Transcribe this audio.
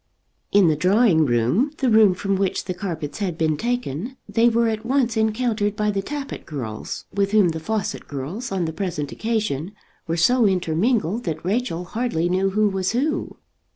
In the drawing room, the room from which the carpets had been taken, they were at once encountered by the Tappitt girls, with whom the Fawcett girls on the present occasion were so intermingled that Rachel hardly knew who was who.